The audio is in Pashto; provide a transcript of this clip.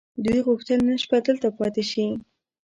دوی غوښتل نن شپه دلته پاتې شي.